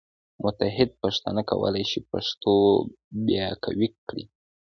متحد پښتانه کولی شي پښتو بیا قوي کړي.